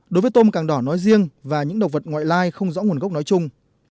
đối với tôm càng đỏ nói riêng và những động vật ngoại lai không rõ nguồn gốc nói chung